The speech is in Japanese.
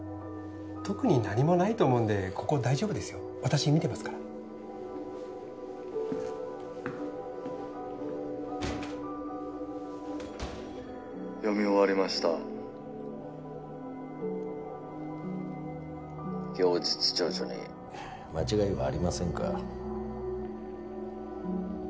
特に何もないと思うんでここ大丈夫ですよ私見てますから読み終わりました供述調書に間違いはありませんか？